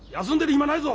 暇ないぞ！